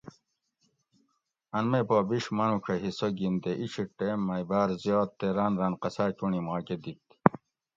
ان مئ پا بیش مانو ڄہ حصہ گن تے اِچھیٹ ٹیم مئ بار ذیات تے ران ران قصا چنڑی ما کہۤ دِت